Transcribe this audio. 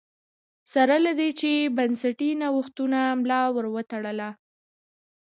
سره له دې چې بنسټي نوښتونو ملا ور وتړله